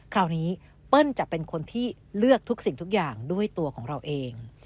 คราวนี้เปิ้ลจะเป็นคนที่เลือกทุกสิ่งทุกอย่างด้วยตัวของเราเอง